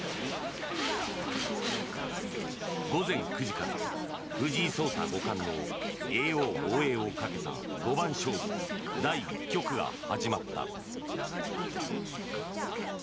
午前９時から藤井聡太五冠の叡王防衛をかけた五番勝負第１局が始まった。